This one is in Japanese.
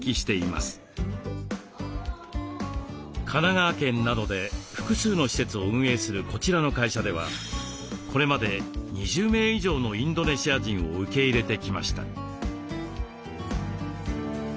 神奈川県などで複数の施設を運営するこちらの会社ではこれまで２０名以上のインドネシア人を受け入れてきました。